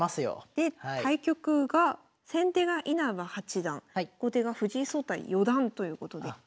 で対局が先手が稲葉八段後手が藤井聡太四段ということで。